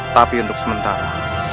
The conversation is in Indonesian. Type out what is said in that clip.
tapi untuk sementara